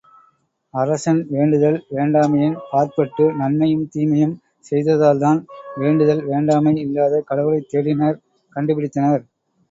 அரசன் வேண்டுதல் வேண்டாமையின் பாற்பட்டு நன்மையும் தீமையும் செய்ததால்தான் வேண்டுதல் வேண்டாமை இல்லாத கடவுளைத் தேடினர் கண்டுபிடித்தனர்.